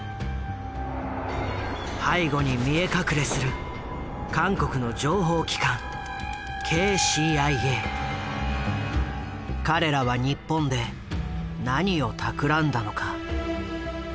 背後に見え隠れする韓国の情報機関彼らは日本で何をたくらんだのか。